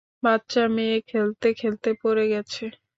বাচ্চা মেয়ে খেলতে-খেলতে পড়ে গেছে।